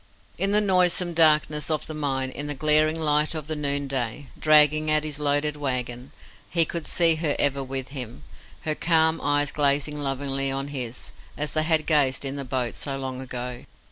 In the noisome darkness of the mine, in the glaring light of the noonday dragging at his loaded wagon, he could see her ever with him, her calm eyes gazing lovingly on his, as they had gazed in the boat so long ago.